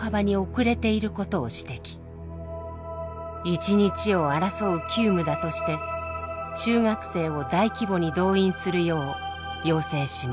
一日を争う急務だとして中学生を大規模に動員するよう要請します。